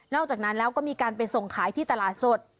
อกจากนั้นแล้วก็มีการไปส่งขายที่ตลาดสด